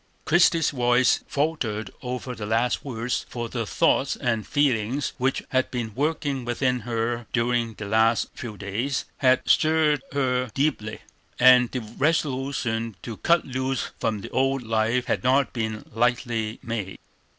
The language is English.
Christie's voice faltered over the last words, for the thoughts and feelings which had been working within her during the last few days had stirred her deeply, and the resolution to cut loose from the old life had not been lightly made.